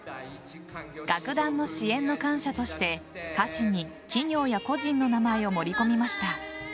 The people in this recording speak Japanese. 楽団の支援の感謝として歌詞に企業や個人の名前を盛り込みました。